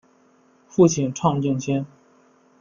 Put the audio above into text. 父亲畅敬先。